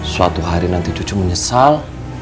suatu hari nanti cucu menyesal